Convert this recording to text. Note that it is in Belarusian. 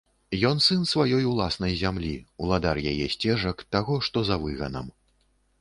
Ён сын сваёй уласнай зямлі, уладар яе сцежак, таго, што за выганам.